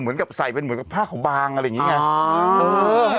เหมือนกับใส่เป็นเหมือนกับผ้าขาวบางอะไรอย่างนี้ไง